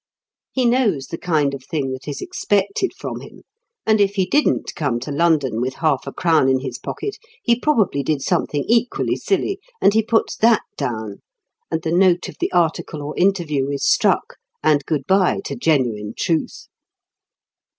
He knows the kind of thing that is expected from him, and if he didn't come to London with half a crown in his pocket he probably did something equally silly, and he puts that down, and the note of the article or interview is struck, and good bye to genuine truth!